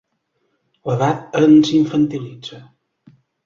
L'edat ens infantilitza.